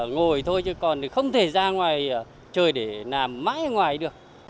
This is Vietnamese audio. ngồi thôi chứ còn thì không thể ra ngoài trời để nằm mãi ở ngoài được